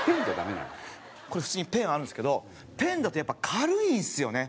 普通にペンあるんですけどペンだとやっぱ軽いんですよね。